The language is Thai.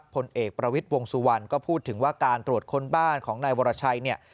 ผลเอกประวิทย์วงสุวรรณก็พูดถึงว่าการตรวจค้นบ้านของนายวรชัยเนี่ย